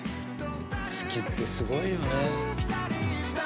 好きってすごいよね。